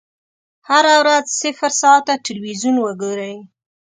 هره ورځ صفر ساعته ټلویزیون وګورئ.